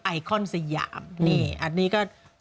ไอคอนสยามนี่อันนี้ก็